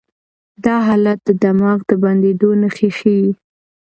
دا حالت د دماغ د بندېدو نښې ښيي.